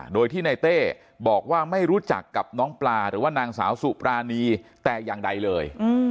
โดยที่ในเต้บอกว่าไม่รู้จักกับนางสาวสุปรานีแตกอย่างใดเลย